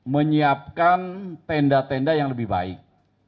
menyiapkan tenda tenda yang lebih baik